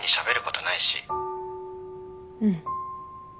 うん。